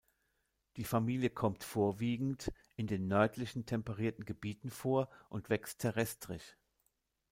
Die Familie kommt vorwiegend in den nördlichen temperierten Gebieten vor und wächst terrestrisch.